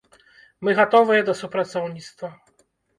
Мы гатовыя да супрацоўніцтва.